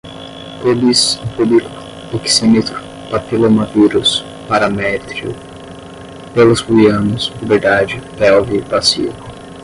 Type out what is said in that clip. púbis, púbico, oxímetro, papilomavírus, paramétrio, pelos pubianos, puberdade, pelve, bacia